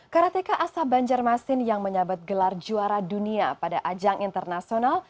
karateka asal banjarmasin yang menyabat gelar juara dunia pada ajang internasional